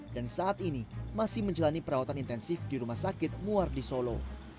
dan saat ini masih menjalani perawatan intensif di rumah sakit muar di solo